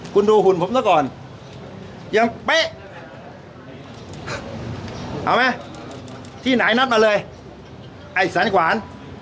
คุณดูหุ่นผมซะก่อนยังเป๊ะเอาไหมที่ไหนนัดมาเลยไอ้แสนขวาน